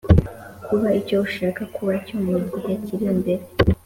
kuba icyo ushaka kuba cyo mu gihe kiri imbere,